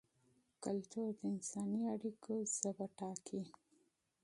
فرهنګ د انساني اړیکو ژبه ټاکي.